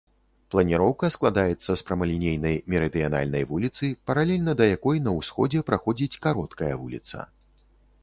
Планіроўка складаецца з прамалінейнай мерыдыянальнай вуліцы, паралельна да якой на ўсходзе праходзіць кароткая вуліца.